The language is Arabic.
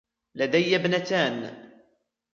لدي ابنتان